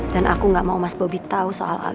dan aku gak mau mas bobi tau soal abi